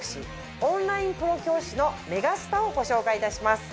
オンラインプロ教師の「メガスタ」をご紹介いたします。